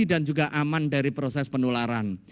dan juga aman dari proses penularan